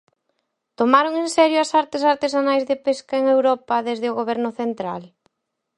¿Tomaron en serio as artes artesanais de pesca en Europa desde o Goberno central?